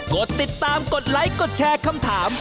กดติดตามกดไลค์กดแชร์คำถาม